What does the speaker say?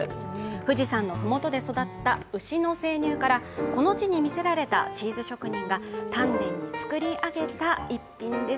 富士山の麓で育った、牛の生乳からこの地にみせられたチーズ職人が丹念に作り上げられた逸品です。